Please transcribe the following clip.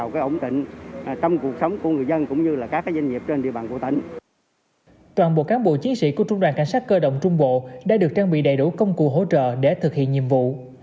cảnh sát cơ động trung bộ đã được trang bị đầy đủ công cụ hỗ trợ để thực hiện nhiệm vụ